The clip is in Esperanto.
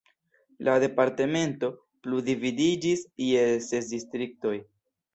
La departemento plu dividiĝis je ses distriktoj.